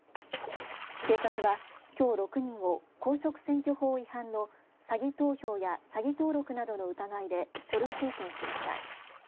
警察はきょう６人を公職選挙法違反の詐欺投票や詐欺登録などの疑いで書類送検しました。